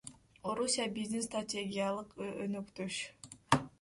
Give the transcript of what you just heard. Орусия — биздин стратегиялык өнөктөш.